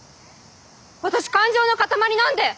私感情の固まりなんで！